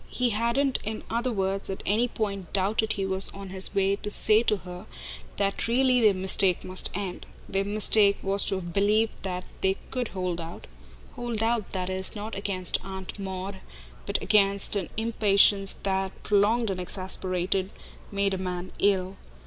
He hadn't in other words at any point doubted he was on his way to say to her that really their mistake must end. Their mistake was to have believed that they COULD hold out hold out, that is, not against Aunt Maud, but against an impatience that, prolonged and exasperated, made a man ill.